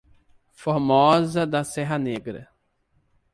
Formosa da Serra Negra